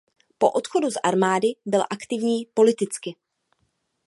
Po odchodu z armády byl aktivní politicky.